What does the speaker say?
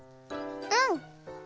うん！